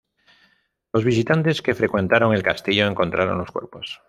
Los visitantes que frecuentaron el castillo encontraron los cuerpos.